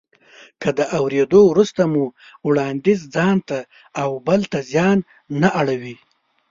که د اورېدو وروسته مو وړانديز ځانته او بل ته زیان نه اړوي.